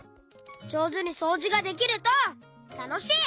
じょうずにそうじができるとたのしい！